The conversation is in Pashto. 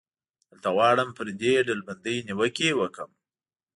دلته غواړم پر دې ډلبندۍ نیوکې وکړم.